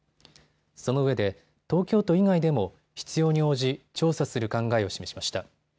そのうえで東京都以外でも必要に応じ調査する考えを示しました。